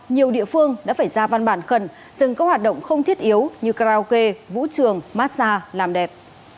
nhiều địa phương đã phải ra văn bản khẩn dừng các hoạt động không thiết yếu như karaoke vũ trường massage làm đẹp